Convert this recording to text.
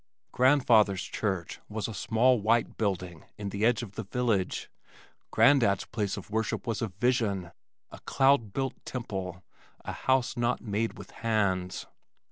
Grandfather's church was a small white building in the edge of the village, Grandad's place of worship was a vision, a cloud built temple, a house not made with hands.